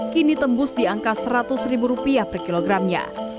kini tembus di angka rp seratus per kilogramnya